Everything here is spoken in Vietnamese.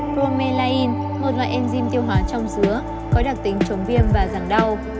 bromelain một loại enzim tiêu hóa trong dứa có đặc tính chống viêm và giảng đau